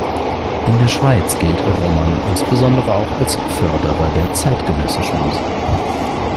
In der Schweiz gilt Roman insbesondere auch als Förderer der zeitgenössischen Musik.